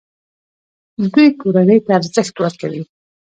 دوی کورنۍ ته ارزښت ورکوي.